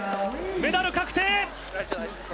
メダル確定。